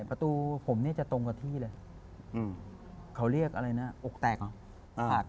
ประตูผมเนี่ยจะตรงกับที่เลยเขาเรียกอะไรนะอกแตกเหรอ